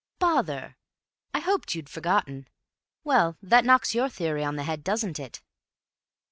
"Bother! I hoped you'd forgotten. Well, that knocks your theory on the head, doesn't it?"